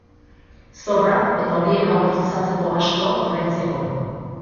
Zorrak eta horiek amortizatzeko gastuak ordaintzeko.